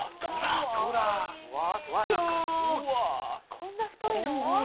こんな太いの？